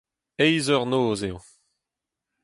Eizh eur noz eo.